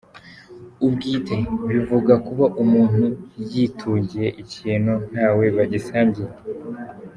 Ubwiîte : bivuga kuba umuntu yitungiye ikintu nta we bagisangiye.